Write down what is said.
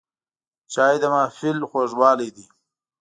چای د محفل خوږوالی دی